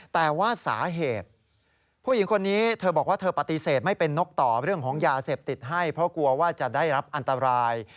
แต่ว่าสาเหตุผู้หญิงคนนี้เธอบอกว่าเธอปฏิเสธไม่เป็นนกต่อเรื่องของยาเสพติดให้เพราะกลัวว่าจะได้รับอันตราย